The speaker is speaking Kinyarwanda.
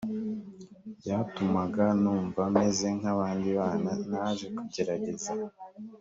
byatumaga numva meze nk abandi bana naje kugerageza